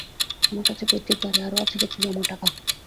আমার আছে পৈতৃক বাড়ি, আরও আছে কিছু জমা টাকা।